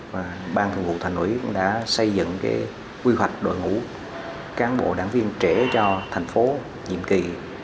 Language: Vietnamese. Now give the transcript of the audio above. và bàn thư vụ thành ủy cũng đã xây dựng cái quy hoạch đội ngũ cán bộ đảng viên trẻ cho thành phố nhiệm kỳ hai nghìn một mươi năm hai nghìn hai mươi